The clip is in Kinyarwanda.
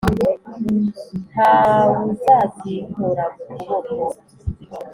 Nta wuzazinkura mu kuboko